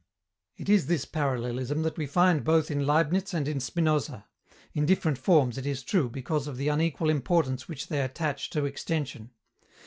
It is this parallelism that we find both in Leibniz and in Spinoza in different forms, it is true, because of the unequal importance which they attach to extension.